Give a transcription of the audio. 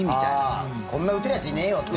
ああ、こんな打てるやついねえよって？